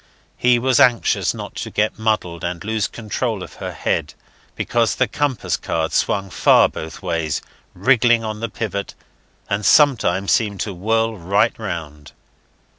He was anxious not to get muddled and lose control of her head, because the compass card swung far both ways, wriggling on the pivot, and sometimes seemed to whirl right round.